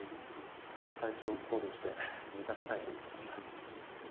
体調を考慮して自宅待機になったそうだ